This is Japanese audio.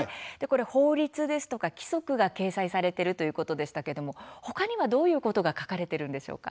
法律ですとか規則が掲載されているということでしたが他にはどういうことが書かれているんでしょうか。